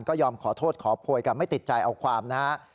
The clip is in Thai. ก็ยอมขอโทษขอโพยกันไม่ติดใจเอาความนะครับ